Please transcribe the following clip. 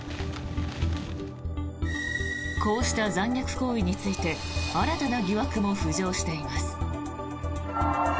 こうした残虐行為について新たな疑惑も浮上しています。